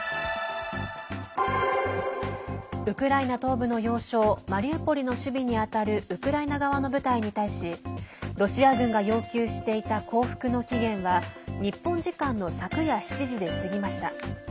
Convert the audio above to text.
ウクライナ東部の要衝マリウポリの守備にあたるウクライナ側の部隊に対しロシア軍が要求していた降伏の期限は日本時間の昨夜７時で過ぎました。